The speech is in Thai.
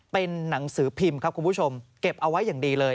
เป็นหนังสือพิมพ์ครับคุณผู้ชมเก็บเอาไว้อย่างดีเลย